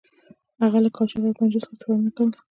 هغوی له کاچوغو او پنجو څخه استفاده نه کوله.